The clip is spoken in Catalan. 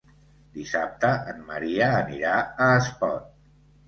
Dissabte en Maria anirà a Espot.